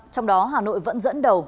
trong đó hà nội vẫn dẫn đầu